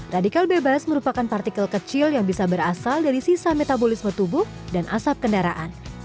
radikal bebas merupakan partikel kecil yang bisa berasal dari sisa metabolisme tubuh dan asap kendaraan